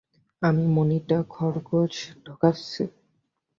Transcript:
আমি মণিটা খরগোশে ঢোকাচ্ছি।